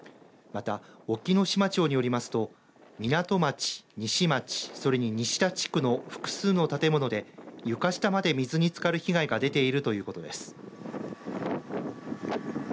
また、隠岐の島町によりますと港町、西町それに西田地区の複数の建物で床下まで水につかる被害が出ているということです。